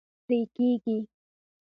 پرې کیږي